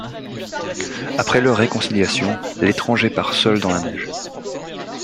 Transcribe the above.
Après leur réconciliation, l'étranger part seul dans la neige.